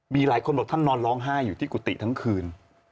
มีหลายคนบอกท่านนอนร้องไห้อยู่ที่กุฏิทั้งคืน